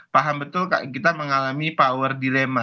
paham betul kita mengalami power dilema